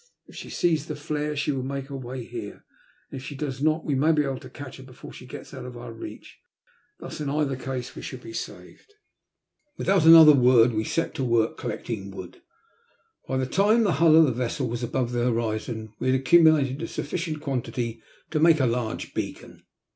If she sees the flare she will make her way here, and if she does not, we may be able to catch her before she gets out of our reach. Thus in either case we shall be saved." Without another word we set to work collecting wood. By the time the hull of the vessel was above the horizon we had accumulated a sufficient quantity to make a large beacon.